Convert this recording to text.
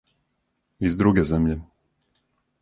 Из друге земље.